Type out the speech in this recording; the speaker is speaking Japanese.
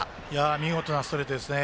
見事なストレートですね。